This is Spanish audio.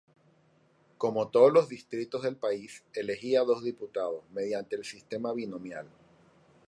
Como todos los distritos del país, elegía dos diputados, mediante el sistema binominal.